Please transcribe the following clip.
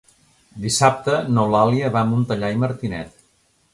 Dissabte n'Eulàlia va a Montellà i Martinet.